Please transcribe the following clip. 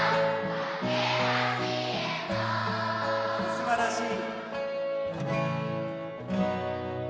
すばらしい！